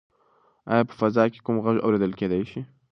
ایا په فضا کې کوم غږ اورېدل کیدی شي؟